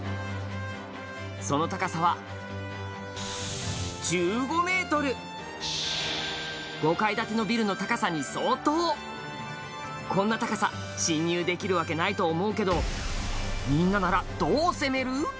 その高さは１５ｍ５階建てのビルの高さに相当こんな高さ侵入できるわけないと思うけどみんななら、どう攻める？